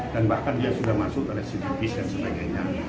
dan bahkan dia sudah masuk oleh sidipis dan sebagainya